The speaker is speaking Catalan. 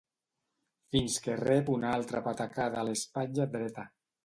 Fins que rep una altra patacada a l'espatlla dreta.